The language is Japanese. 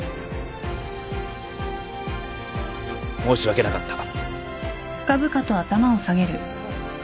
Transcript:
申し訳なかった。